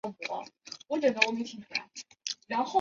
所有足股节中段些许膨大。